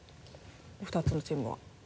２つのチームは。